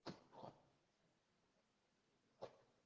ntabwo natwaraga vuba vuba